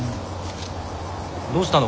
どうしたの？